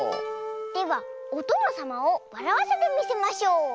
ではおとのさまをわらわせてみせましょう！